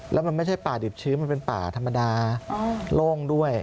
แล้วมันไม่ใช่ป่าดิบชื้นมันเป็นป่าธรรมดาโล่งด้วย